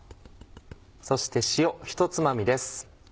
そして塩一つまみです。